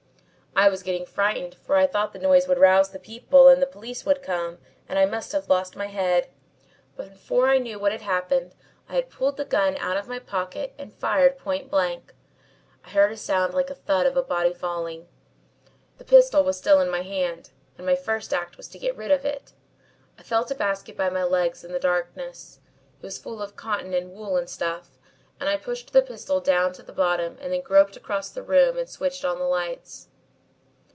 "I was getting frightened for I thought the noise would rouse the people and the police would come, and I must have lost my head. Before I knew what had happened I had pulled the gun out of my pocket and fired point blank. I heard a sound like a thud of the body falling. The pistol was still in my hand, and my first act was to get rid of it. I felt a basket by my legs in the darkness. It was full of cotton and wool and stuff and I pushed the pistol down to the bottom and then groped across the room and switched on the lights.